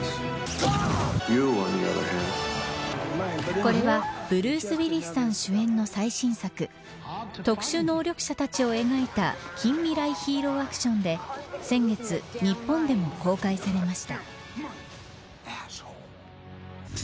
これはブルース・ウィリスさん主演の最新作特殊能力者たちを描いた近未来ヒーローアクションで先月、日本でも公開されました。